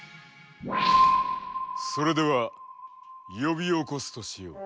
それでは呼び起こすとしよう。